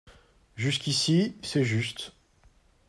Jusqu’ici, c’est juste